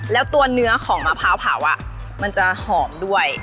แล้วตัวเนื้อของมะพร้าวเผามันจะหอมด้วย